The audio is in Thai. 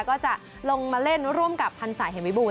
ก็จะลงมาเล่นร่วมกับพันศาเหมวิบูร